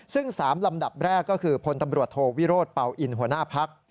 ซึ่ง๓ลำดับแรกก็คือพลตำรวจโทวิโรธเป่าอินหัวหน้าพัก